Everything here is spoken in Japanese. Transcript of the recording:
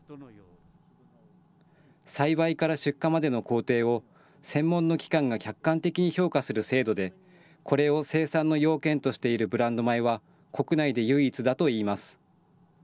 栽培から出荷までの工程を専門の機関が客観的に評価する制度で、これを生産の要件としているブランド米は国内で唯一だといいます。